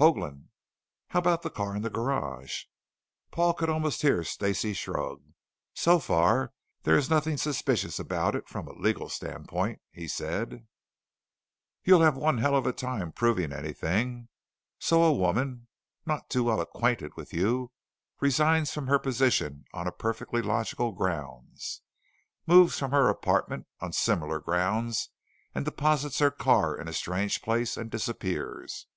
"Hoagland." "How about the car in the garage?" Paul could almost hear Stacey shrug. "So far, there is nothing suspicious about it from a legal standpoint," he said. "You'd have one hell of a time proving anything. So a woman none too well acquainted with you resigns from her position on a perfectly logical grounds, moves from her apartment on similar grounds, and deposits her car in a strange place and disappears."